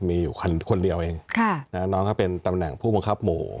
มีอยู่คนเดียวเองน้องเขาเป็นตำแหน่งผู้บังคับหมู่